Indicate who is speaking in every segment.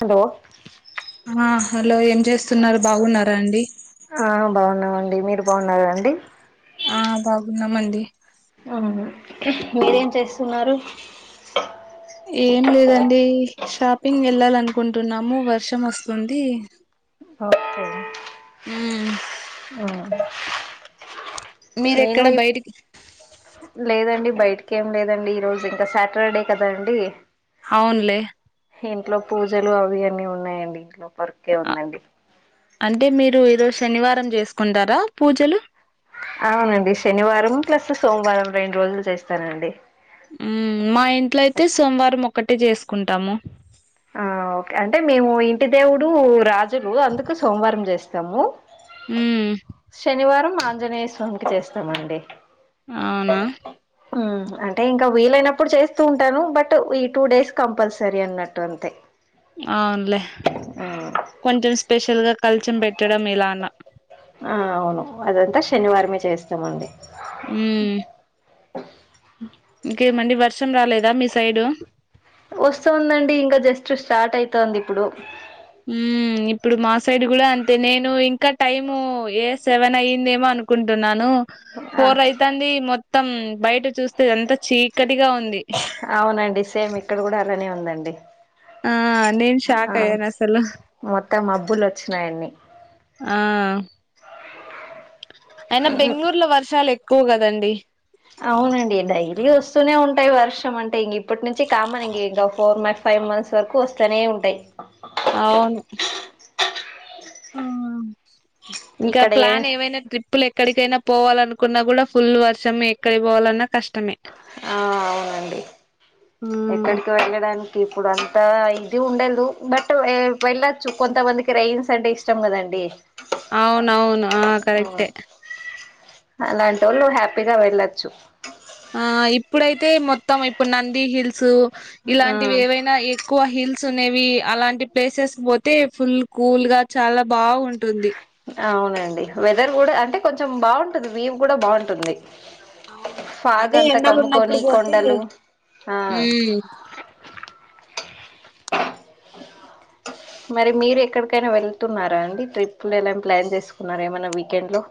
Speaker 1: Hello
Speaker 2: ఆ hello ఏం చేస్తున్నారు బాగున్నారా అండి?
Speaker 1: ఆండీ మీరు బాగున్నారా ఆండీ
Speaker 2: ఆ బాగున్నామండి
Speaker 1: ఆ మీరేం చేస్తున్నారు?
Speaker 2: ఏం లేదండి షాపింగ్ వెళ్లాలను కుంటున్నాము వర్షం వస్తుంది.
Speaker 1: ఓకే
Speaker 2: ఉమ్
Speaker 1: నేను
Speaker 2: మీరెక్కడ
Speaker 1: ఈ
Speaker 2: బయటికి
Speaker 1: లేదండి బయటకి ఏం లేదండి ఈ రోజు ఇంకా సాటర్డే కదా అండి
Speaker 2: అవునులే
Speaker 1: ఇంట్లో పూజలు అవి అన్నీ ఉన్నాయండి ఇంట్లో పర్కే
Speaker 2: అ-
Speaker 1: ఉందండి
Speaker 2: అంటే మీరు ఈరోజు శనివారం చేసుకుంటరా పూజలు?
Speaker 1: అవునండి శనివారం ప్లస్ సోమవారం రెండు రోజులు చేస్తానండి
Speaker 2: మ్మ్మ్మ్ మా ఇంట్లో అయితే సోమవారం ఒక్కటే చేసుకుంటాము.
Speaker 1: ఆ ఓకే అంటే మేము ఇంటి దేవుడు రాజులు అందుకు సోమవారం చేస్తాము
Speaker 2: మ్మ్
Speaker 1: శనివారం ఆంజనేయ స్వామికి చేస్తామండి
Speaker 2: అవునా
Speaker 1: హ అంటే ఇంకా వీలైనప్పుడు చేస్తూ ఉంటాను బట్ ఈ టూ డేస్ కంపల్సరీ అన్నట్టు పట్వంత
Speaker 2: అవునులే కొంచెం స్పెషల్ గా కల్చం పెట్టడం ఇలాన్న
Speaker 1: ఆ అవును అదంతా శనివారమే చేస్తామండి
Speaker 2: ఉ ఇంకేమండి వర్షం రాలేదా మీ సైడు
Speaker 1: వస్తుందండి ఇంకా జస్ట్ స్టార్ట్ అయితుంది ఇప్పుడు
Speaker 2: హు ఇప్పుడు మా సైడ్ కూడా అంతే నేను ఇంకా టైం ఏ సెవెన్ అయిందేమో అనుకుంటున్నాను
Speaker 1: ఆ!
Speaker 2: ఫోర్ రైతాంది మొత్తం బయట చూస్తే అంత చీకటిగా ఉంది
Speaker 1: అవునండి సేమ్ ఇక్కడ కూడా అలానే ఉందండి
Speaker 2: ఆ నేను షాక్
Speaker 1: ఆ
Speaker 2: అయ్యాను అసలు
Speaker 1: మొత్తం మాబ్బులు వచ్చినాయన్నన్ని
Speaker 2: ఆ అయినా బెంగళూరులో వర్షాలు ఎక్కువ పోగదండి
Speaker 1: అవునండి డైలీ వస్తూనే ఉంటాయి వర్షం అంటే ఇంక ఇప్పటి నుంచి కామన్ ఇంక ఇంకా ఫోర్ మై ఫైవ్ ఫైవ్ మంత్స్ వరకు వస్తూనే ఉంటాయి
Speaker 2: అవును ఇంకా
Speaker 1: ఇక్కడ ఏ
Speaker 2: ప్లాన్ ఏమైనా ట్రిప్పులు ఎక్కడికైనా పోవాలినుకు కున్నా కూడా ఫుల్ వర్షము ఎక్కడి పోవాలన్నా కష్టమే
Speaker 1: ఆ అవునండి
Speaker 2: ఆ
Speaker 1: ఎక్కడికి వెళ్ళడానికి ఇప్పుడానికి అ ఇది ఉండదు బట్ వెళ్ళచ్చు కొంతమందికి రైన్స్ అంటే ఇష్టం కదండి
Speaker 2: అవునవును ఆ కరెక్టే
Speaker 1: అలాంటి వాళ్ళు హ్యాపీ ప్పదా వెళ్ళచ్చు
Speaker 2: ఆ ఇప్పుడైతే మొత్తం ఇప్పుడు నంది హిల్స్ ఇలాంటివి ఏవైనా ఎక్కువ హిల్స్ సునేవి అలాంటి ప్లేసెస్ పోతే ఫుల్ కూల్ గా చాలా బాగుంటుంది
Speaker 1: అవునండి వెదర్ కూడా అంటే కొంచెం బాగుంటుంది వ్యూవ్ కూడా బాగుంటుంది
Speaker 2: అవును
Speaker 1: ఫాగ్
Speaker 2: అదే
Speaker 1: అంతా
Speaker 2: ఎండలు
Speaker 1: కమ్ముకొని
Speaker 2: ఉన్నప్పుడు పోతే
Speaker 1: కొండలు
Speaker 2: ఉమ్
Speaker 1: ఆ మరి మీరు ఎక్కడికైనా వెళ్తున్నారా అండి ట్రిప్ లో ఎలా ప్లాన్ చేసుకున్నారా ఏమన్నా వీకెండ్ లో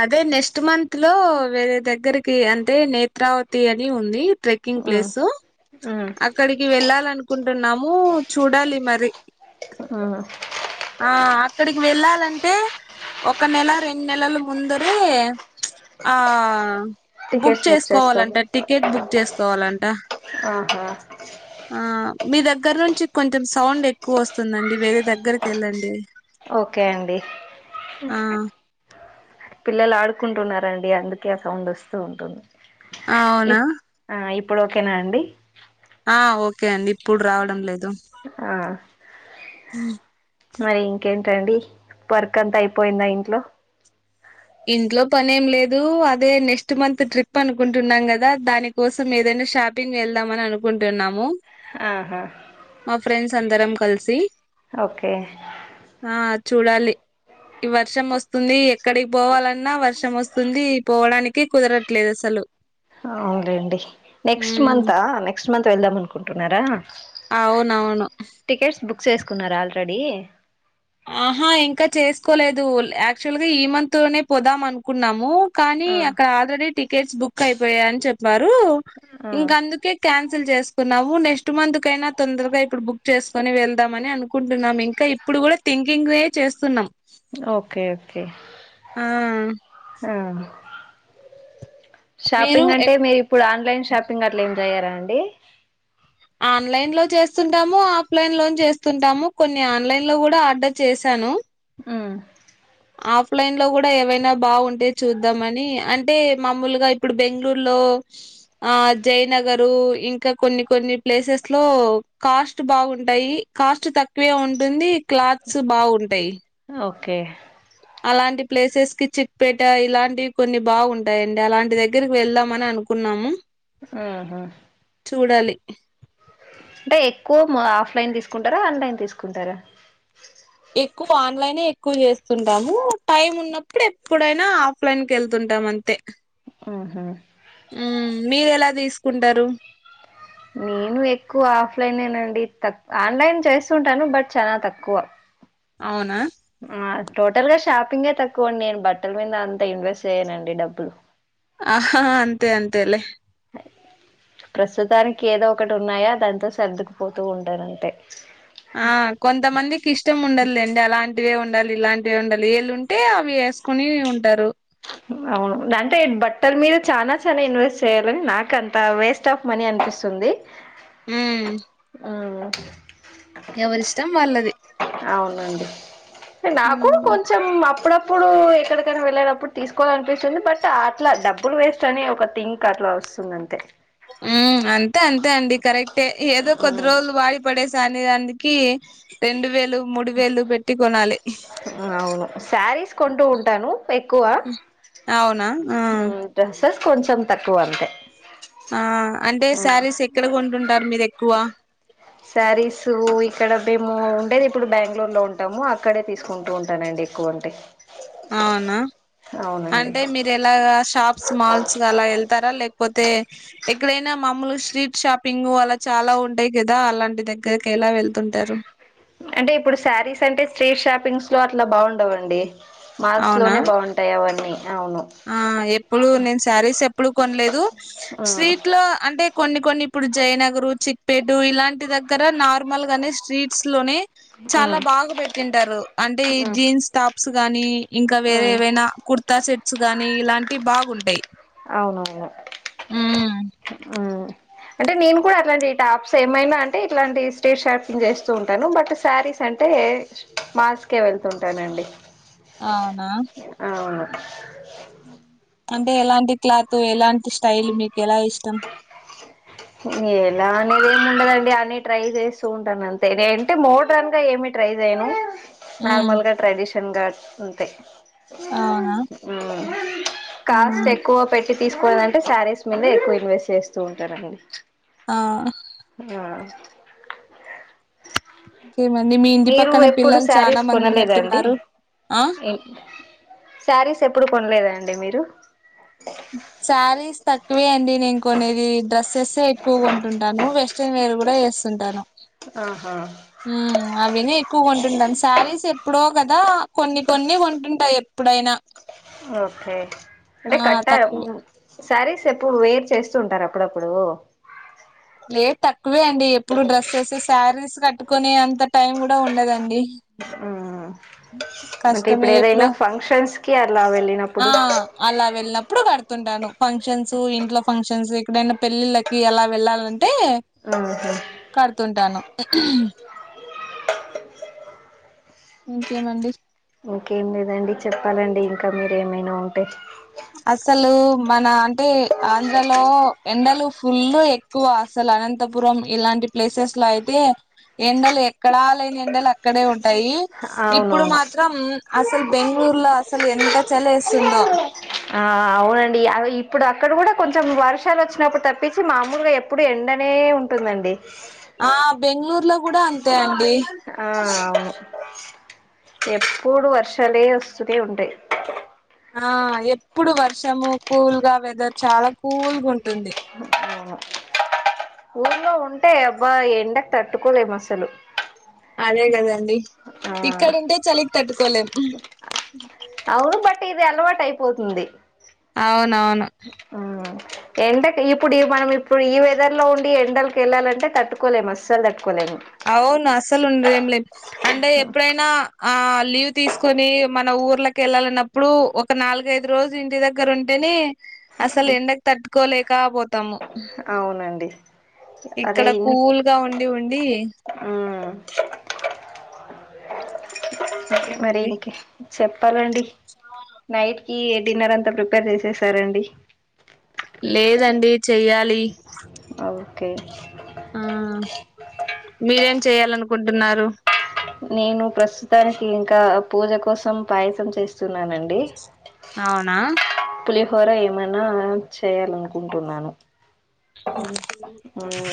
Speaker 2: అదే నెక్స్ట్ మంత్ లో వేరే దగ్గరికి అంటే నేత్రావతి అని ఉంది ట్రెకింగ్
Speaker 1: ఉమ్,
Speaker 2: ప్లేసు
Speaker 1: ఉమ్,
Speaker 2: అక్కడికి వెళ్ళాలనుకుంటున్నాము చూడాలి మరి
Speaker 1: ఉమ్.
Speaker 2: ఆ అక్కడికి వెళ్ళాలంటే ఒక నెల రెండు నెలల ముందరే ఆ బుక్
Speaker 1: టికెట్స్ చేసుకోండి
Speaker 2: చేసుకోవాలంట టికెట్ బుక్ చేసుకోవాలంట
Speaker 1: ఆ
Speaker 2: ఆ మీ దగ్గర నుంచి కొంచెం సౌండ్ ఎక్కువ వస్తుందండి వేరే దగ్గరకి వెళ్ళండి
Speaker 1: ఓకే అండి
Speaker 2: ఆ
Speaker 1: పిల్లలు ఆడుకుంటున్నారండి అందుకే ఆ సౌండ్ వస్తూ ఉంటుంది
Speaker 2: అవునా
Speaker 1: ఇప్ ఆ ఇప్పుడు ఓకేనా అండి
Speaker 2: ఆ ఓకే అండి ఇప్పుడు రావడం లేదు
Speaker 1: ఆ మరి ఇంకేంటండి వర్క్ అంతా అయిపోయిందా ఇంట్లో
Speaker 2: ఇంట్లో పని ఏం లేదు అదే నెక్స్ట్ మంత్ ట్రిప్ అనుకుంటున్నాం కదా దాని కోసం ఏదనా ను షాపింగ్ వెళ్దామని అనుకుంటున్నాము
Speaker 1: ఆహా
Speaker 2: మా ఫ్రెండ్స్ అందరం కలిసి
Speaker 1: ఓకే
Speaker 2: ఆ చూడాలి ఈ వర్షం వస్తుంది ఎక్కడి పోవాలన్నా వర్షం వస్తుంది పోవడానికి కుదరట్లేదు అసలు
Speaker 1: అవులేండి నెక్స్ట్
Speaker 2: ఉమ్
Speaker 1: మంతా నెక్స్ట్ మంత్ వెళ్దాం అనుకుంటున్నారా
Speaker 2: అవునవును
Speaker 1: చేసుకున్నారు ఆల్రెడీ
Speaker 2: ఆహా ఇంకా చేసుకోలేదు యాక్చువల్గా ఈ మంత్ లోనే పోదాం అనుకున్నాము కానీ
Speaker 1: ఆ
Speaker 2: అక్కడ ఆల్రెడీ టికెట్స్ బుక్ అయిపోయా అని చెప్పారు
Speaker 1: ఆ
Speaker 2: ఇంక అందుకే క్యాన్ ల్ చేసుకున్నాము నెక్స్ట్ మంత్ కైనా తొందరగా ఇప్పుడు బుక్ చేసుకుని వెళ్దామని అనుకుంటున్నాం ఇంకా ఇప్పుడు కూడా థింకింగ్ వే చేస్తున్నాం
Speaker 1: ఓకే ఓకే
Speaker 2: ఆ
Speaker 1: ఆ
Speaker 2: మీరు
Speaker 1: షాపింగ్ అంటే
Speaker 2: ఎక్
Speaker 1: మీరు ఇప్పుడు ఆన్లైన్ షాపింగ్ అట్లా ఏం జేయ్యారా అండి
Speaker 2: ఆన్లైన్ లో చేస్తుంటాము ఆఫ్లైన్ లో చేస్తుంటాము కొన్ని ఆన్లైన్ లో కూడా ఆర్డర్ చేశాను
Speaker 1: ఉమ్
Speaker 2: ఆఫ్లైన్ లో గూడా ఏవైనా బాగుంటే చూద్దాం అని అంటే మామూలుగా ఇప్పుడు బెంగళూరులో ఆ జయనగరు ఇంకా కొన్ని కొన్ని ప్లేసెస్ లో కాస్ట్ బాగుంట ఉంటాయి కాస్ట్ తక్కువే ఉంటుంది క్లాత్స్ బాగుంటాయి
Speaker 1: ఓకే
Speaker 2: అలాంటి ప్లేసెస్ కి చిక్పేట ఇలాంటివి కొన్ని బాగు ఉంటాయి అండి అలాంటి దగ్గరికి వెళ్దాంమని అనుకున్నా నము
Speaker 1: ఆహా
Speaker 2: చూడాలి
Speaker 1: అంటే ఎక్కువ ఆఫ్లైన్ తీసుకుంటారా ఆన్లైన్ తీసుకుంటారా
Speaker 2: ఎక్కువ ఆన్లైన్ ఎక్కువ చేస్తుంటాము టైం ఉన్నప్పుడు ఎప్పుడైనా ఆఫ్లైన్ కెళ్తుంట ఉంటాం అంతే
Speaker 1: ఉహు
Speaker 2: మీరు ఎలా తీసుకుంటారు
Speaker 1: నేను ఎక్కువ ఆఫ్లైన్నండి తక్ ఆన్లైన్ చేస్తుంటాను బట్ చాలా తక్కువ
Speaker 2: అవునా
Speaker 1: టోటల్ గా షాపింగే తక్కువ అండి నేను బట్టల మీద అంతా ఇన్వెస్ట్ చేయనండి డబ్బులు
Speaker 2: ఆహా అంతే అంతే లే
Speaker 1: ప్రస్తుతానికి ఏదో ఒకటి ఉన్నాయా దానితో సర్దుకుపోతూ ఉంటారు అంటే
Speaker 2: ఆ కొంతమందికి ఇష్టం ఉండదు లేండి అలాంటివే ఉ ఉండాలి ఇలాంటివి ఉండాలి ఎళ్ళు ఉంటే అవి యేసుకుని ఉంటారు
Speaker 1: అవును అంటే బట్టల మీద చానా చాలా ఇన్వెస్ట్ చేయాలని నాకు అంత వేస్ట్ ఆఫ్ మనీ అనిపి స్తుంది
Speaker 2: ఉమ్
Speaker 1: ఉమ్
Speaker 2: ఎవరిష్టం వాళ్ళది
Speaker 1: నాకు
Speaker 2: ఉమ్
Speaker 1: కొంచెం అప్పుడప్పుడు ఎక్కడికైనా వెళ్ళెటప్పుడు తీసుకోవాలనిపిస్తుంది బట్ అట్లా డబ్బులు వేస్ట్ అనే ఒక థింక్ అట్లా వస్తుంది అంతే
Speaker 2: ఉమ్ అంతే అంతే అండి కరెక్టే ఏదో కొద్ది రోజులు వాడి పడే కాని అందుకే రెండు వేలు మూడు వేలు పెట్టి కొనాలి
Speaker 1: అవును శారీస్ కొంటూ ఉంటాను ఎక్కువ
Speaker 2: అవునా ఆ
Speaker 1: తస్ కొంచెం తక్కువ అంతే
Speaker 2: ఆ అంటే శారీస్ ఎక్కడ కొంటుంటారు మీరు ఎక్కువ
Speaker 1: శారీస్ ఇక్కడ మేము ఉండేది ఇప్పుడు బెంగళూరు లో ఉంటాము అక్కడే తీసుకుంటూ ఉంటానండి ఎక్కువ ఉంటాయి
Speaker 2: అవునా అంటే మీరు ఎలాగా షాప్స్ మాల్స్ అలా యెళ్తారా లేకపోతే ఎక్కడైనా మమ్మూలు స్ట్రీట్ షాపింగ్ అలా చాలా ఉంటాయి కదా అలాంటి దగ్గరికి ఎలా వెళ్తుం టారు
Speaker 1: అంటే ఇప్పుడు శారీస్ అంటే స్ట్రీట్ షాపింగ్స్ లో అట్లా బాగుండవండి మాల్స్
Speaker 2: అవునా
Speaker 1: లోనే బాగుంటాయి అవన్నీ అవును
Speaker 2: ఆ ఎప్పుడు నేను శారీస్ ఎప్పుడు కొనలేదు
Speaker 1: ఉమ్,
Speaker 2: స్ట్రీట్ లో అంటే కొన్ని కొన్ని ఇప్పుడు జయనగరు చిక్పేటు ఇలాంటి దగ్గర నార్మల్ గానే స్ట్రీట్స్ లోనే చాలా
Speaker 1: ఉమ్,
Speaker 2: బాగా పెట్టింటారు అంటే
Speaker 1: ఉమ్.
Speaker 2: జీన్స్ టాప్స్ గాని ఇంకా వేరే
Speaker 1: ఉమ్
Speaker 2: ఏవైనా కుర్తా సెట్స్ గానీ ఇలాంటివి బాగుంటాయి
Speaker 1: అవునవును
Speaker 2: హ్మ్.
Speaker 1: ఆ అంటే నేను కూడా అట్లాంటి టాప్స్ ఏమైనా అంటే ఇట్లాంటి స్టేజ్ షాపింగ్ చేస్తూ ఉంటాను బట్ శారీస్ అంటే మాస్కే వెళ్తుంటానండి
Speaker 2: అవునా
Speaker 1: ఆ [unintelligible]
Speaker 2: అంటే ఎలాంటి క్లాత్ ఎలాంటి స్టైల్ మీకు ఎలా ఇష్టం
Speaker 1: [inaudible] ఎలా అనేది ఏమి ఉండదండి అని ట్రై చేస్తూ ఉంటాను అంతే అంటే లేదంటే మోడర్న్ గా ఏమి ట్రై చేయను
Speaker 2: హ్మ్.
Speaker 1: నార్మల్ గా ట్రెడిషన్ గా అంతే
Speaker 2: అవునా
Speaker 1: కాస్ట్ ఎక్కువ పెట్టి తీసుకోవదంటే శారీస్ మీంద ఎక్కువ ఇన్వెస్ట్ చేస్తూ ఉంటారండి
Speaker 2: ఆ ఆ!
Speaker 1: ఆ
Speaker 2: ఇంకేమండి మీ ఇంటి
Speaker 1: మీరు
Speaker 2: పక్కన
Speaker 1: ఎప్పుడు
Speaker 2: పిల్లలు చాలా
Speaker 1: శారీస్
Speaker 2: మంది ఉన్నట్టున్నారు ఆ
Speaker 1: కొనలేదండిఏ శారీస్ ఎప్పుడు కొనలేదండి మీరు
Speaker 2: శారీస్ తక్కువే అండి నేను కొనేది డ్రస్ సెస్సే ఎక్కువగొంటుంటాను వెస్ట్రన్ వేర్ కూడా వేస్తుంటాను
Speaker 1: ఆహా
Speaker 2: ఉమ్ అవిని ఎక్కువగా ఉంటుంటాం శారీస్ ఎప్పుడో కదా కొన్ని కొన్ని కొంటుంట ఎప్పుడైనా
Speaker 1: ఓకే అంటే
Speaker 2: ఆ
Speaker 1: కట్ట య
Speaker 2: తక్కువే
Speaker 1: సరీస్ ఎప్పుడు వేర్ చేస్తు ఉంటార అప్పుడప్పుడు
Speaker 2: లేద్ తక్కువే అండి ఎప్పుడు డ్రెస్సెస్ శారీస్ కట్టుకునే అంత టైం కూడా ఉండదండి
Speaker 1: ఉమ్
Speaker 2: కష్టమే ఎప్పుడు
Speaker 1: ఫంక్షన్స్ కి అలా
Speaker 2: ఆ
Speaker 1: వెళ్ళినప్పుడు
Speaker 2: అలా వెళ్ళినప్పుడు కడుత తుంటాను ఫంక్షన్స్ ఇంట్లో ఫంక్షన్స్ ఇక్కడైనా పెళ్లిిళ్ళకి ఎలా వెళ్ళాలంటే
Speaker 1: ఆహా
Speaker 2: కడుతుంటాను
Speaker 1: [inaudible]
Speaker 2: ఇంకేమండి
Speaker 1: ఇంకేం లేదండి చెప్పాలండి ఇంకా మీరు ఏమైనా ఉంటే
Speaker 2: అసలు మన అంటే ఆంధ్రలో ఎండలు ఫుల్లు ఎక్కువ అసలు అనంతపురం ఇలాంటి ప్లేసెస్ లో అయితే ఎండలు ఎక్కడా లేని ఎండలు అక్కడే ఉంటాయి ఇప్పుడు
Speaker 1: అవునవును
Speaker 2: మాత్రం అసలు బెంగళూరులో అసలు ఎంత చలి వేస్తుందో
Speaker 1: ఆ అవునండి అవి ఇప్పుడు అక్కడ కూడా కొంచెం వర్షాలు వచ్చినప్పుడు తప్పేసిి మామూలుగా ఎప్పుడు ఎండనే ఉు
Speaker 2: ఆ బెంగళూర్లో కూడా అంతే అండి
Speaker 1: ఆ అవును ఎప్పుడు వర్షాలే వస్తూనే ఉంటాయి
Speaker 2: ఆ ఎప్పుడు వర్షము కూల్గా వెదర్ చాలా కూల్గుంటుంది
Speaker 1: ఊర్లో ఉంటే అబ్బా ఎండకు తట్టుకోలేం అసలు
Speaker 2: అదే కదండి
Speaker 1: ఆ
Speaker 2: ఇక్కడంటే చలి
Speaker 1: అవును బట్ ఇది అలవాటు అయిపోతుంది
Speaker 2: అవునవును
Speaker 1: ఉమ్ ఎండకి ఇప్పుడు మనం ఇప్పుడు ఈ వెదర్ లో ఉండి ఎండలకుకి వెళ్ళాలింటే తట్టుకోలేము అస్సలు తట్టుకో
Speaker 2: అవును అసలు ఉండ ఏం లే అంటే ఎప్పుడైనా ఆ లీవ్ తీసుకొని మన ఊర్లకి వెళ్ళాలనప్పుడు ఒక నాలుగైదు రోజు ఇంటి దగ్గర ఉంటేనే అసలు ఎండకు తట్టుకోలేక పోతాము
Speaker 1: అవునండి అరే
Speaker 2: ఇక్కడ
Speaker 1: ఇన్ని
Speaker 2: కూల్గా ఉండి ఉండి
Speaker 1: ఉమ్
Speaker 2: అ
Speaker 1: మరి ఇంక చెప్పాలండి నైట్ ఈ డిన్నర్ అంతా ప్రిపేర్ చేసేసారండి
Speaker 2: లేదండి చెయ్యాలి
Speaker 1: ఓకే
Speaker 2: ఆ మీరేం చేయాలనుకుంటున్నారు
Speaker 1: నేను ప్రస్తుతానికి ఇంకా పూజ కోసం పాయసం చేస్త సున్నానండి
Speaker 2: నా
Speaker 1: పులిహోర ఏమైనా చేయాలనుకుంటున్నాను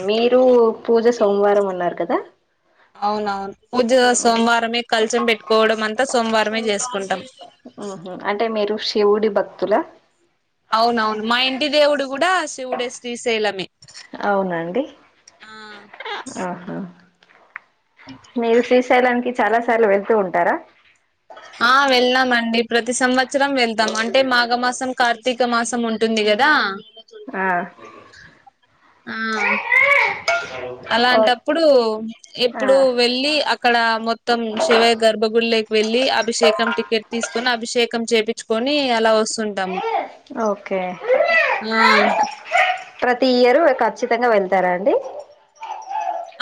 Speaker 1: మీరు పూజ
Speaker 2: ఈ
Speaker 1: సోమవారం ఉన్నారు కదా
Speaker 2: అవునవును పూజ సోమవారమే కల్సం పెట్టుకోవడం అంతా సోమవారం [unintelligible] చేసుకుంటాం
Speaker 1: ఉహ అంటే మీరు శివుడి భక్తుల
Speaker 2: అవునవును మా ఇంటి దేవుడు కూడా శివుడే శ్రీశైలమే
Speaker 1: అవునండి
Speaker 2: ఆ
Speaker 1: ఆహా మీరు శ్రీశైలానికి చాలా సార్లు వెళ్తూ ఉంటారా
Speaker 2: అండి ప్రతి సంవత్సరం వెళ్తాం అంటే మాఘమాసం కార్తీక మాసం ఉంటుంది కదా
Speaker 1: ఆ
Speaker 2: ఆ
Speaker 1: ఓ
Speaker 2: అలాంటప్పుడు
Speaker 1: ఆ
Speaker 2: ఎప్పుడు వెళ్ళి అక్కడ మొత్తం శివయ గర్భగుడిలోకి వెళ్లి అభిషేకం టికెట్ తీసుకొని అభిషేకం చేయించుకొని అలా వస్తుంటాము
Speaker 1: ఓకే
Speaker 2: ఆ
Speaker 1: ప్రతి ఇయరు ఖచ్చితంగా వెళ్తారా అండి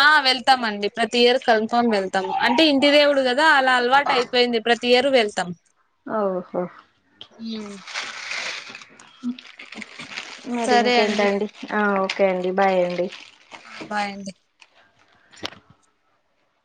Speaker 2: ఆ వెళ్తామండి ప్రతి ఇయర్ కన్ఫామ్ వెళ్తాము అంటే ఇంటి దేవుడు కదా అలా అలవాటు అయిపోయింది ఇప్పుడు ప్రతి ఇయరు వెళ్తాం
Speaker 1: ఓహో
Speaker 2: హ
Speaker 1: మరి ఇంకేంట అండి ఆ ఓకే అండి బాయ్ అండి
Speaker 2: ఆ బాయి ఆండీ